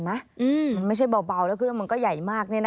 มันไม่ใช่เบาแล้วเครื่องมันก็ใหญ่มาก